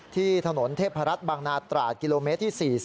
ที่ถนนเทพรัฐบางนาตราดกิโลเมตรที่๔๐